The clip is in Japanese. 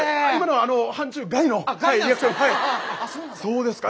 そうですか。